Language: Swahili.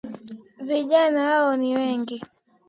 Vijana wao ni wengi